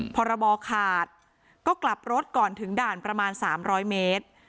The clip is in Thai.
อืมพอระบอขาดก็กลับรถก่อนถึงด่านประมาณสามร้อยเมตร